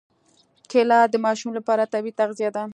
کېله د ماشو لپاره طبیعي تغذیه ده.